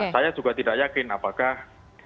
saya juga tidak yakin apakah